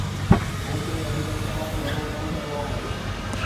مون کي اڄڪلهه تمام گهڻو ڪم ڪرڻو آهي